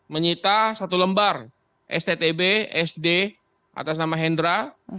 menyita satu lembar sttb sd atas nama hendra